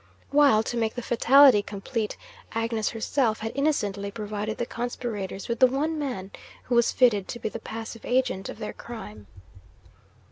While, to make the fatality complete, Agnes herself had innocently provided the conspirators with the one man who was fitted to be the passive agent of their crime.